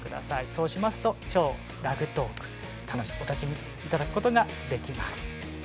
そうしますと「超ラグトーク」お楽しみいただくことができます。